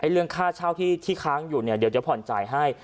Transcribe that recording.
เรื่องค่าเช่าที่ค้างอยู่เดี๋ยวผมจะห่วงจ่ายให้